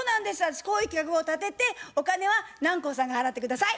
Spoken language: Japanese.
私こういう企画を立ててお金は南光さんが払って下さい。